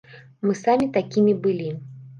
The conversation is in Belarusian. Мы самі такімі былі.